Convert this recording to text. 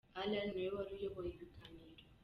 Alain ni we wari uyoboye ibiganiro.